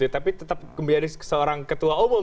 tapi tetap kembali jadi seorang ketua umum